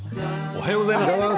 おはようございます。